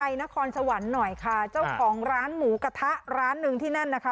นครสวรรค์หน่อยค่ะเจ้าของร้านหมูกระทะร้านหนึ่งที่นั่นนะคะ